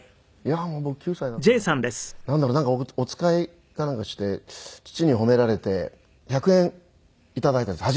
なんかお使いかなんかして父に褒められて１００円頂いたんです